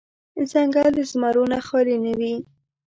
ځنګل د زمرو نه خالې نه وي.